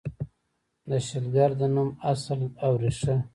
د شلګر د نوم اصل او ریښه: